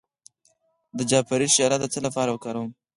د جعفری شیره د څه لپاره وکاروم؟